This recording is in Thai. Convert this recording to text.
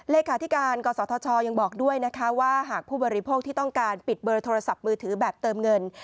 เลขาธิการกศธชยังบอกด้วยนะคะว่าหากผู้บริโภคที่ต้องการปิดเบอร์โทรศัพท์มือถือแบบเติมเงิน